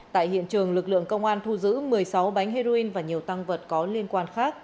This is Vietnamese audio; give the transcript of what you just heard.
tại hiện trường lực lượng công an thu giữ một mươi sáu bánh heroin và nhiều tăng vật có liên quan khác